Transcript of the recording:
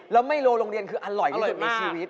แล้วไม่โลโรงเรียนคืออร่อยที่สุดในชีวิต